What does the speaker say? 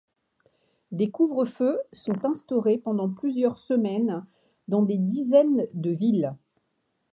Des couvre-feu sont instaurés pendant plusieurs semaines dans des dizaines de villes.